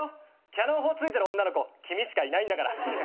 キャノン砲ついてる女の子君しかいないんだから。